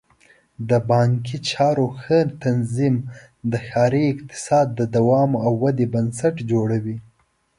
د بانکي چارو ښه تنظیم د ښاري اقتصاد د دوام او ودې بنسټ جوړوي.